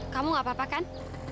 kamu gak apa apa kan